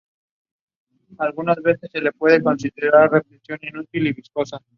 El heno es la base de la alimentación de las chinchillas.